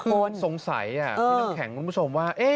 คือสงสัยคุณแข็งคุณผู้ชมว่า